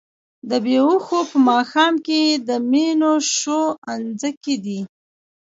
د بــــــې هــــــوښو په ماښام کي د مینوشو انځکی دی